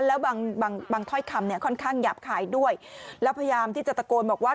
แล้วบางถ้อยคำเนี่ยค่อนข้างหยาบคายด้วยแล้วพยายามที่จะตะโกนบอกว่า